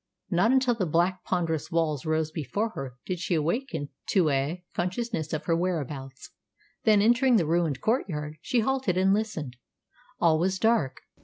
Not until the black, ponderous walls rose before her did she awaken to a consciousness of her whereabouts. Then, entering the ruined courtyard, she halted and listened. All was dark.